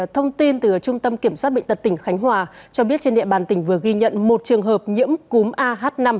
thông tin từ trung tâm kiểm soát bệnh tật tỉnh khánh hòa cho biết trên địa bàn tỉnh vừa ghi nhận một trường hợp nhiễm cúm ah năm